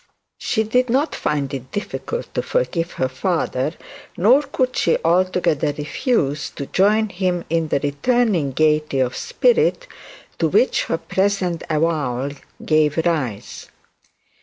She did not find it difficult to forgive her father, nor could she altogether refuse to join him in the returning gaiety of spirit to which her present avowal gave rise.